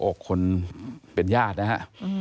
โหโอ๊คคนเป็นญาตินะฮะ